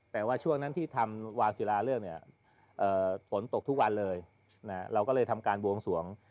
แต่ว่าช่วงนั้นที่ทำวานศิลาเลือกเนี่ยฝนตกทุกวันเลยเราก็เลยทำการบวงสวง